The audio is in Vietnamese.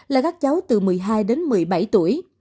là các cháu từ một mươi hai đến một mươi bảy tuổi